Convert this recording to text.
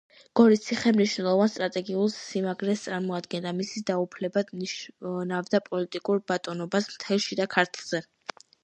გორის ციხე მნიშვნელოვან სტრატეგიულ სიმაგრეს წარმოადგენდა; მისი დაუფლება ნიშნავდა პოლიტიკურ ბატონობას მთელ შიდა ქართლზე.